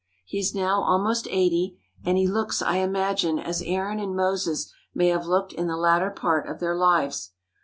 He is now almost eighty, and he looks, I imagine, as Aaron and Moses may have looked in the latter part of their lives.